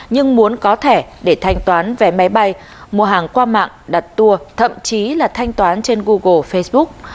nhưng muốn có thẻ để thanh toán vé máy bay mua hàng qua mạng đặt tour thậm chí là thanh toán trên google facebook